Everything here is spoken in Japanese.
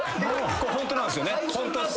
これホントなんすよね？